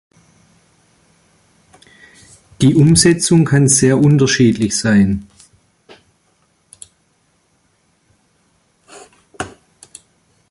Die Umsetzung kann sehr unterschiedlich sein.